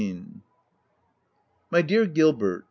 u My dear Gilbert